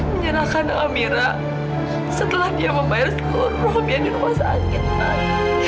menyerahkan amira setelah dia membayar seluruh rupiah di rumah sakit